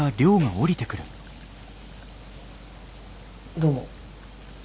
どうも。